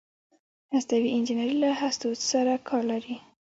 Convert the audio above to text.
هستوي انجنیری له هستو سره کار لري.